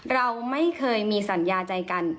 เราไม่เคยมีสัญญาใจกัน